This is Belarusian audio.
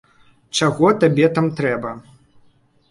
Чаго табе там трэба?